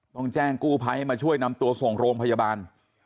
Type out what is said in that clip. ต้องแจ้งกู้ภัยให้มาช่วยนำตัวส่งโรงพยาบาล